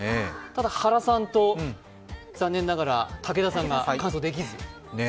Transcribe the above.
ただ、原さんと残念ながら武田さんが完走できずでした。